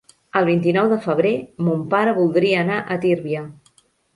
El vint-i-nou de febrer mon pare voldria anar a Tírvia.